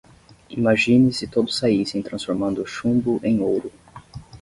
Imagine se todos saíssem transformando chumbo em ouro.